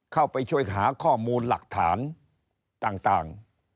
เข้าไปช่วยหาข้อมูลหลักฐานต่าง